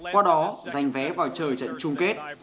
qua đó giành vé vào trời trận chung kết